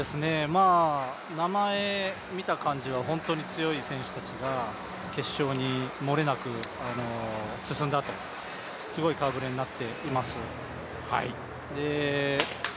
名前見た感じはホントに強い選手たちが決勝に漏れなく進んだと、すごい顔ぶれになっています。